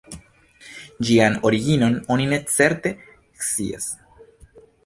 Ĝian originon oni ne certe scias.